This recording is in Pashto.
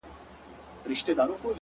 • چي د کابل ګرېوان ته اور توی که,